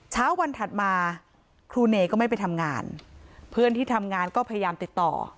เช้าวันถัดมาครูเนก็ไม่ไปทำงานเพื่อนที่ทำงานก็พยายามติดต่อ